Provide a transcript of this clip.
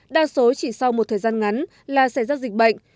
đa số chỉ sau một thời gian ngắn là sẽ giác dịch bệnh